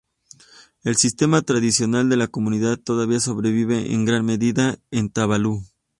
El sistema tradicional de la comunidad todavía sobrevive en gran medida en Tuvalu.